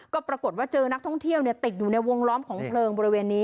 ก็ปรากฏว่าเจอนักท่องเที่ยวติดอยู่ในวงล้อมของเพลิงบริเวณนี้